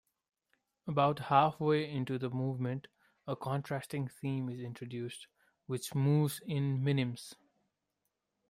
About halfway into the movement, a contrasting theme is introduced, which moves in minims.